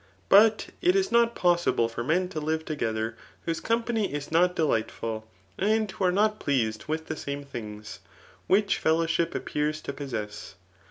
But it is not pos sible for men to live together whose company is not de lightful, and who are not pleased with the same things, which fellowship appears to possess.